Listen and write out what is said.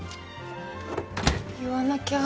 言わなきゃ。